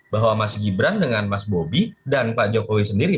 bahwa mas gibran dengan mas bobi dan pak jokowi sendiri